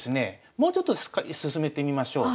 もうちょっと進めてみましょう。